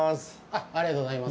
ありがとうございます。